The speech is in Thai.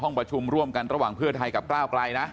ประชุมร่วมกันระหว่างเพื่อไทยกับก้าวไกลนะ